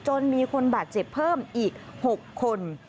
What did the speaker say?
มีคนบาดเจ็บเพิ่มอีก๖คน